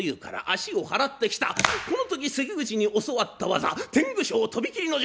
この時関口に教わった技天狗昇飛び斬りの術。